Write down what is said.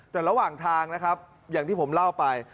แต่ระหว่างทางนะครับอย่างที่ผมเล่าไป